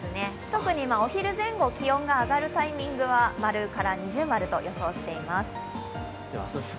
特にお昼前後、気温が上がるタイミングは○から◎と予想しています。